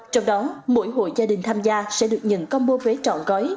trong đó mỗi hội gia đình tham gia sẽ được nhận combo vé trọn gói